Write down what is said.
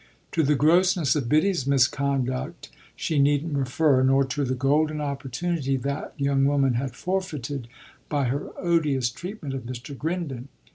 To the grossness of Biddy's misconduct she needn't refer, nor to the golden opportunity that young woman had forfeited by her odious treatment of Mr. Grindon.